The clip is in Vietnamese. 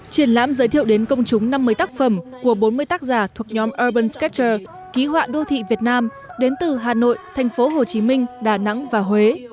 triển lãm giới thiệu đến công chúng năm mươi tác phẩm của bốn mươi tác giả thuộc nhóm urban sketcher ký họa đô thị việt nam đến từ hà nội thành phố hồ chí minh đà nẵng và huế